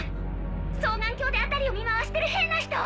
双眼鏡で辺りを見回してる変な人！